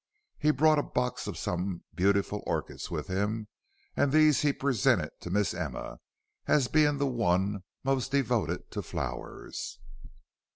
He brought a box of some beautiful orchids with him, and these he presented to Miss Emma as being the one most devoted to flowers.